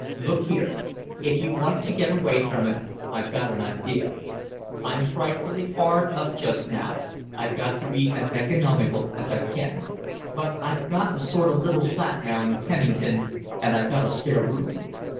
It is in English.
"Look here, if you want to get away from it, I've got an idea. I'm frightfully hard up just now, I've got to be as economical as I can; but I've got a sort of little flat now in Kennington and I've got a spare room.